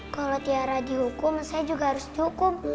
kalau tiara dihukum saya juga harus dihukum